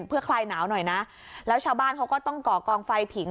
เพื่อคลายหนาวหน่อยนะแล้วชาวบ้านเขาก็ต้องก่อกองไฟผิง